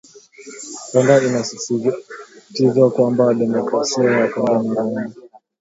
Rwanda inasisitizwa kwamba Demokrasia ya Kongo na Rwanda